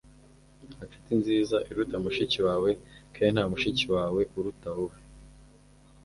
nta nshuti nziza iruta mushiki wawe. kandi nta mushiki wawe uruta wowe